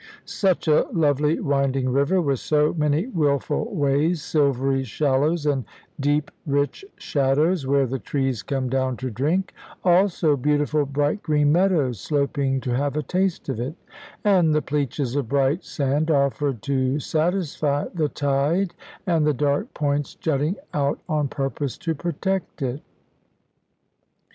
Such a lovely winding river, with so many wilful ways, silvery shallows, and deep, rich shadows, where the trees come down to drink; also, beautiful bright green meadows, sloping to have a taste of it, and the pleaches of bright sand offered to satisfy the tide, and the dark points jutting out on purpose to protect it!